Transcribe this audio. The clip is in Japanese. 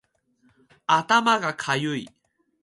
頭がかゆい